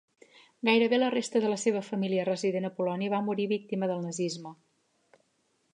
Gairebé la resta de la seva família resident a Polònia va morir víctima del nazisme.